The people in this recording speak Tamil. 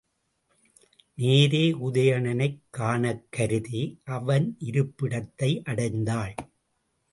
நேரே உதயணனைக் காணக்கருதி அவனிருப்பிடத்தை அடைந்தாள்.